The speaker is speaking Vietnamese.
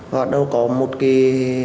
và đâu có một cái